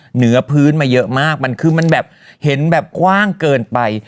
เหนือพื้นมาเยอะมากมันคือมันแบบเห็นแบบกว้างเกินไป